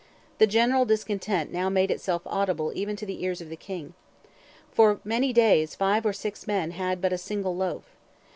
The general discontent now made itself audible even to the ears of the King. For many days five or six men had but a "single loaf."